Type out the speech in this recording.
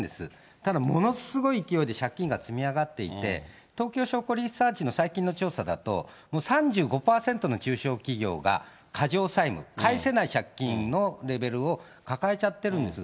ただものすごい勢いで借金が積み上がっていて、東京商工リサーチの最近の調査だと、３５％の中小企業が過剰債務、返せない借金のレベルを抱えちゃってるんです。